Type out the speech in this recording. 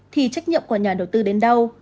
thì trách nhiệm của nhà đầu tư đến đâu